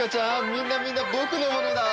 みんなみんな僕のものだ。